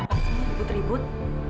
ada apa sih yang ribut ribut